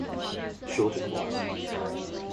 Short it was.